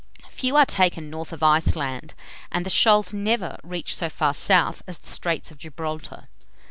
Few are taken north of Iceland, and the shoals never reach so far south as the Straits of Gibraltar.